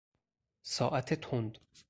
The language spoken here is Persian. ساعت تند